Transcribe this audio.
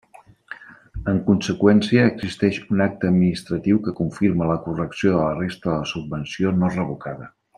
En conseqüència existeix un acte administratiu que confirma la correcció de la resta de la subvenció no revocada.